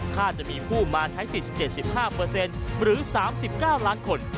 ค่าจะมีผู้มาใช้สิทธิ์๗๕เปอร์เซ็นต์หรือ๓๙ล้านคน